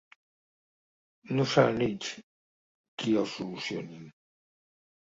No seran ells qui el solucionin!